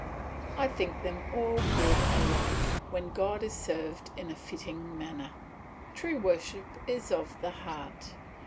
I think them all good alike, when God is served in a fitting manner. True worship is of the heart.